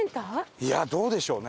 いやどうでしょうね？